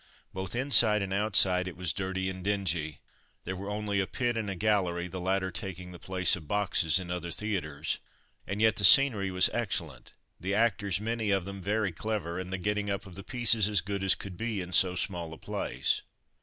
Both inside and outside it was dirty and dingy. There were only a pit and gallery, the latter taking the place of boxes in other theatres; and, yet the scenery was excellent, the actors, many of them, very clever, and the getting up of the pieces as good as could be in so small a place.